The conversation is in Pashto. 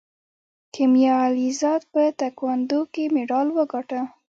کیمیا علیزاده په تکواندو کې مډال وګاټه.